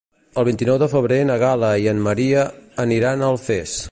El vint-i-nou de febrer na Gal·la i en Maria aniran a Alfés.